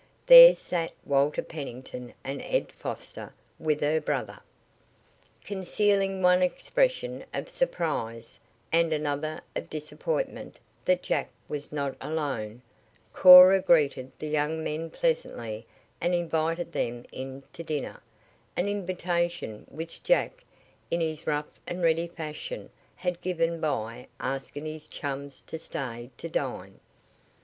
There sat Walter Pennington and Ed Foster with her brother. Concealing one expression of surprise, and another of disappointment that Jack was not alone, Cora greeted the young men pleasantly and invited them in to dinner, an invitation which Jack, in his rough and ready fashion had given by asking his chums to stay to dine.